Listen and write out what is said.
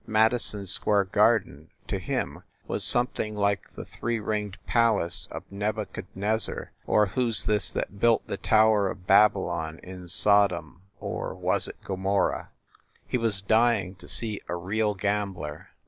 Madison Square Garden, to him, was something like the three ringed palace of Nebuchad nezzar or who s this that built the tower of Babylon in Sodom or was it Gomorrah? He was dying to see a real gambler.